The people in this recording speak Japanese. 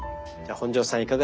じゃあ本上さん